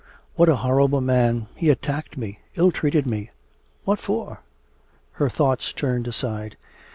'What a horrible man... he attacked me, ill treated me... what for?' Her thoughts turned aside.